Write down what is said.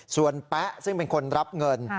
ส่วนแป๊ะซึ่งเป็นคนรับเงิน